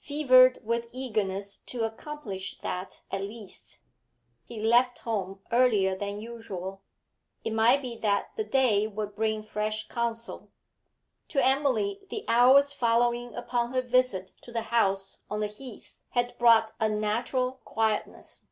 Fevered with eagerness to accomplish that at least, he left home earlier than usual. It might be that the day would bring fresh counsel. To Emily the hours following upon her visit to the house on the Heath had brought unnatural quietness.